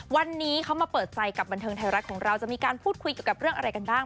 วันนี้เขามาเปิดใจกับบันเทิงไทยรัฐของเราจะมีการพูดคุยเกี่ยวกับเรื่องอะไรกันบ้าง